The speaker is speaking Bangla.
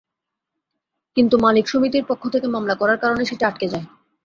কিন্তু মালিক সমিতির পক্ষ থেকে মামলা করার কারণে সেটি আটকে যায়।